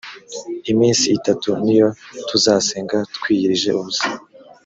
iminsi itanu niyo tuzasenga twiyirije ubusa